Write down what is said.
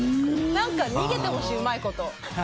逃げてほしい、うまいこと。